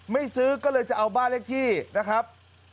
ซื้อก็เลยจะเอาบ้านเลขที่นะครับ